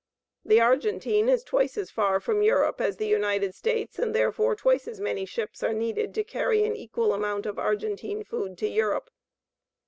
The Argentine is twice as far from Europe as the United States, and therefore twice as many ships are needed to carry an equal amount of Argentine food to Europe.